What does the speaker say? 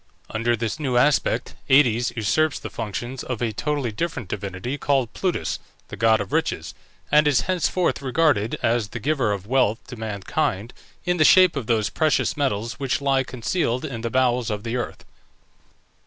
Under this new aspect Aïdes usurps the functions of a totally different divinity called Plutus (the god of riches), and is henceforth regarded as the giver of wealth to mankind, in the shape of those precious metals which lie concealed in the bowels of the earth.